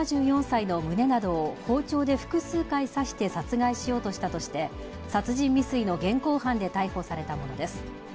７４歳の胸などを包丁で複数回刺して殺害しようとしたとして、殺人未遂の現行犯で逮捕されたものです。